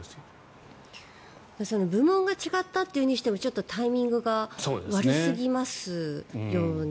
部門が違ったとしてもちょっとタイミングが悪すぎますよね。